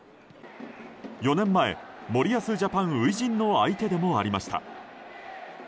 ４年前、森保ジャパン初陣の相手でもありました。